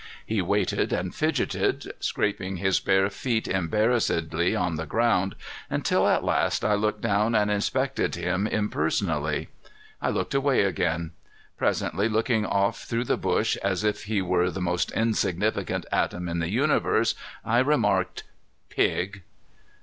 He waited and fidgeted, scraping his bare feet embarrassedly on the ground, until at last I looked down and inspected him impersonally. I looked away again. Presently, looking off through the bush as if he were the most insignificant atom in the universe, I remarked: "Pig!"